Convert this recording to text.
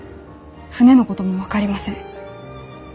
船のことも分かりません。